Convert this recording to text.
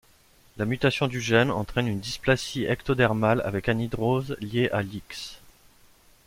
La mutation du gène entraîne une dysplasie ectodermale avec anhydrose liée à l'X.